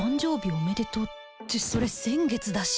おめでとうってそれ先月だし